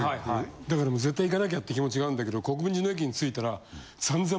だから絶対行かなきゃって気持ちがあるんだけど国分寺の駅に着いたら。